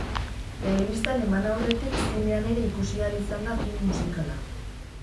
Telebistan eman aurretik zinean ere ikusi ahal izanda film musikala.